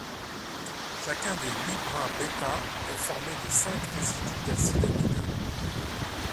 Chacun des huit brins β est formé de cinq résidus d'acides aminés.